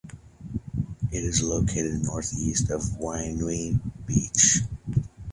It is located north east of Wainui Beach.